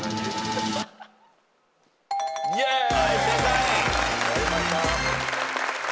イェーイ。